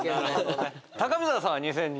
高見沢さんは２０２１年。